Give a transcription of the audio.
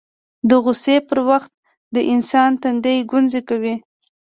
د غوسې پر وخت د انسان تندی ګونځې کوي